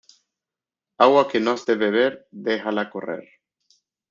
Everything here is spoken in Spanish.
Agua que no has de beber, déjala correr.